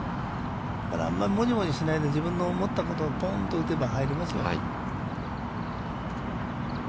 あんまりもじもじしないで、自分の思ったところポーンと打てば入りますよ。